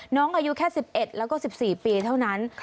น้องอายุแค่๑๑แล้วก็๑๔ปีเท่านั้น